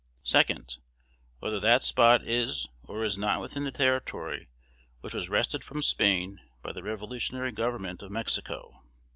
2d. Whether that spot is or is not within the territory which was wrested from Spain by the revolutionary government of Mexico.